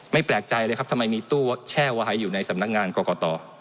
แปลกใจเลยครับทำไมมีตู้แช่ไว้อยู่ในสำนักงานกรกต